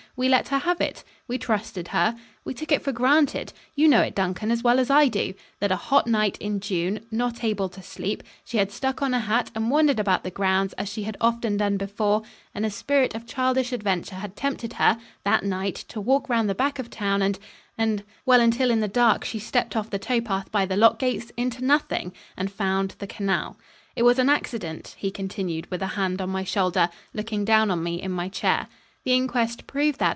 We let her have it. We trusted her. We took it for granted you know it, Duncan, as well as I do that, a hot night in June not able to sleep she had stuck on a hat and wandered about the grounds, as she had often done before, and a spirit of childish adventure had tempted her, that night, to walk round the back of the town and and well, until in the dark, she stepped off the tow path by the lock gates, into nothing and found the canal. It was an accident," he continued, with a hand on my shoulder, looking down on me in my chair. "The inquest proved that.